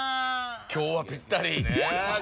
今日はぴったり。